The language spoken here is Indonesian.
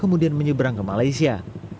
kemudian menyeberang ke malaysia